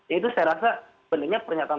itu saya rasa benarnya pernyataan